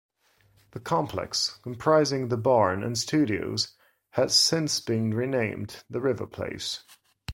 The complex comprising The Barn and studios has since been renamed The River Place.